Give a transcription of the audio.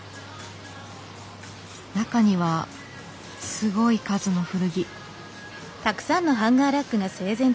中にはすごい数の古着。